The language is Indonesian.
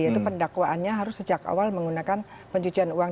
yaitu pendakwaannya harus sejak awal menggunakan hukum